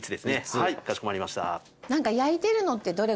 はいかしこまりました。